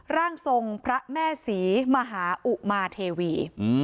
ร่างทรงพระแม่ศรีมหาอุมาเทวี